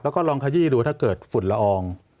แล้วก็ลองขยี้ดูถ้าเกิดฝุ่นละออง